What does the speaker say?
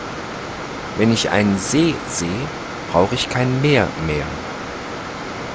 Wenn ich einen See seh brauch ich kein Meer mehr.